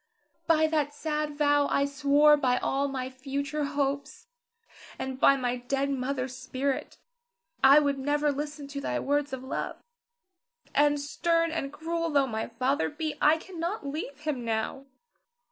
By that sad vow I swore by all my future hopes, and by my dead mother's spirit, I would never listen to thy words of love. And stern and cruel tho' my father be, I cannot leave him now.